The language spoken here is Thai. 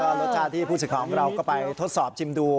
นั่นแหละฮะก็รสชาติที่ผู้สิทธิ์ของเราก็ไปทดสอบจิ้มดู